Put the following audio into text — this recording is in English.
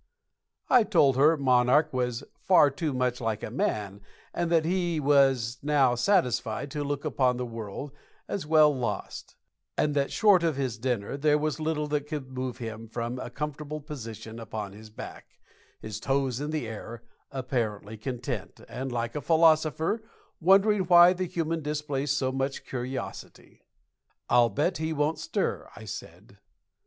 I told her "Monarch" was far too much like a man, and that he was now satisfied to look upon the world as well lost, and that short of his dinner there was little that could move him from a comfortable position upon his back, his toes in the air, apparently content, and like a philosopher, wondering why the human displays so much curiosity. "I'll bet he won't stir," I said.